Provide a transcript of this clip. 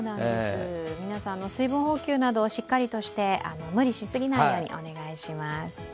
皆さん、水分補給などしっかりして、無理しすぎないようにお願いします。